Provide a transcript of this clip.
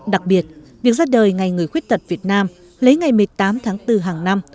đặc biệt việc ra đời ngày người khuyết tật việt nam lấy ngày một mươi tám tháng bốn hàng năm